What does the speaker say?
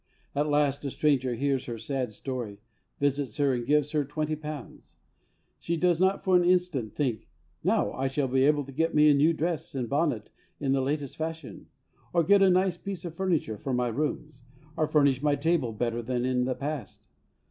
At last, a stranger hears her sad story, visits her, and gives her twenty pounds. She does not for an instant think :' Now 1 shall be able to get me a new dress and bonnet in the latest fashion, or get a nice piece of furniture for my rooms, or furnish my table better than in the past.